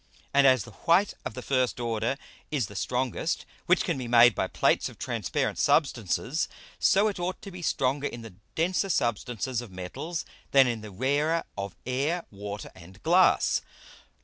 And as the white of the first order is the strongest which can be made by Plates of transparent Substances, so it ought to be stronger in the denser Substances of Metals than in the rarer of Air, Water, and Glass.